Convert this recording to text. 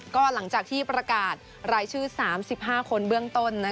ก็หลังจากที่ประกาศรายชื่อ๓๕คนเบื้องต้น